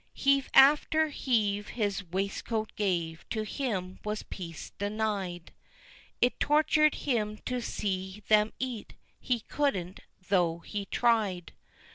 Heave after heave his waistcoat gave, to him was peace denied, It tortured him to see them eat, he couldn't though he tried!